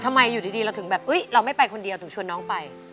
อยู่ดีเราถึงแบบเราไม่ไปคนเดียวถึงชวนน้องไป